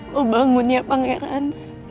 lo bangun ya pangeran